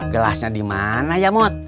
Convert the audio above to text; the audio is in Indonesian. gelasnya dimana ya mot